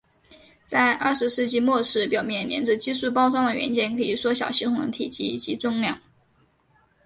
在二十世纪末时表面黏着技术包装的元件可以缩小系统的体积及重量。